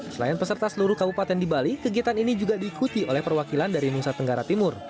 selain peserta seluruh kabupaten di bali kegiatan ini juga diikuti oleh perwakilan dari nusa tenggara timur